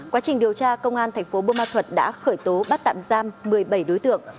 quá trình điều tra công an tp bơ ma thuật đã khởi tố bắt tạm giam một mươi bảy đối tượng